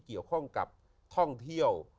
เกี่ยวข้องกับท่องเที่ยว